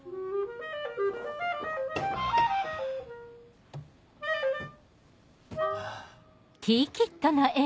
ハァ。ハァ。